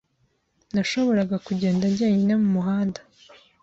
Nashoboraga kugenda njyenyine mumuhanda